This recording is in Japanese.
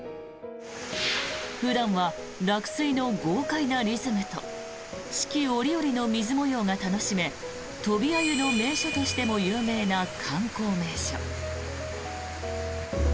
普段は落水の豪快なリズムと四季折々の水模様が楽しめ飛びアユの名所としても有名な観光名所。